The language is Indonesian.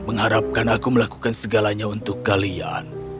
mengharapkan aku melakukan segalanya untuk kalian